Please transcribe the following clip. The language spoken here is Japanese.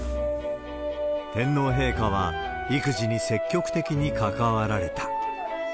天皇陛下は育児に積極的に関わられた。